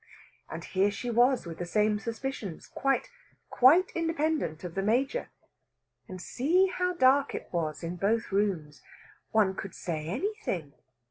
And here she was with the same suspicions, quite, quite independent of the Major. And see how dark it was in both rooms! One could say anything.